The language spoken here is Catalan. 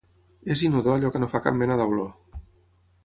És inodor allò que no fa cap mena d'olor.